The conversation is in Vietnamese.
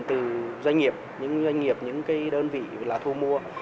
từ doanh nghiệp những doanh nghiệp những cái đơn vị là thu mua